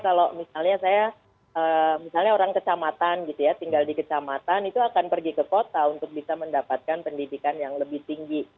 kalau misalnya saya misalnya orang kecamatan gitu ya tinggal di kecamatan itu akan pergi ke kota untuk bisa mendapatkan pendidikan yang lebih tinggi